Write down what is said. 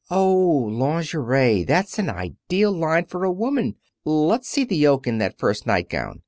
"Oh, lingerie! That's an ideal line for a woman. Let's see the yoke in that first nightgown.